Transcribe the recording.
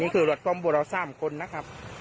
ก็๓คนนะครับ